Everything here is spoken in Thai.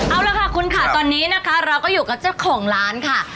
เอาละค่ะคุณค่ะตอนนี้นะคะเราก็อยู่กับเจ้าของร้านค่ะ